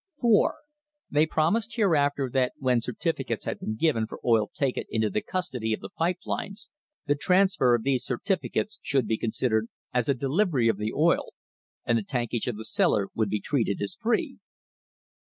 4. They promised hereafter that when certificates had been given for oil taken into the custody of the pipe lines, the transfer of these certificates should be considered as a delivery of the oil, and the tankage of the seller would be treated as :ree.